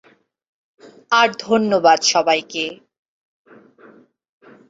আর ধন্যবাদ, সবাইকে।